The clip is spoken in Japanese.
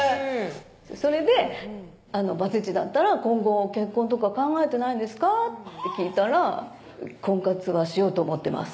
それで「バツイチだったら今後結婚とか考えてないんですか？」って聞いたら「婚活はしようと思ってます」